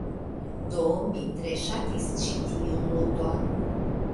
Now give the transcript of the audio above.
Do. Mi tre ŝatis ĉi tiun ludon.